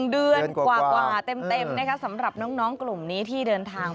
เดือนกว่าเต็มนะคะสำหรับน้องกลุ่มนี้ที่เดินทาง